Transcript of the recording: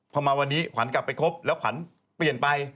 พอมาวันนี้ขวัญกลับไปคบแล้วขวัญเปลี่ยนไป